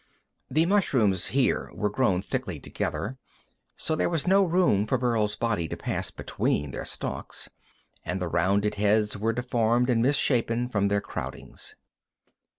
The mushrooms here were grown thickly together, so there was no room for Burl's body to pass between their stalks, and the rounded heads were deformed and misshapen from their crowdings.